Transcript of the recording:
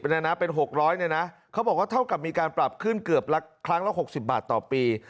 เนี่ยนะเป็นหกร้อยเนี่ยนะเขาบอกว่าเท่ากับมีการปรับขึ้นเกือบละครั้งละหกสิบบาทต่อปี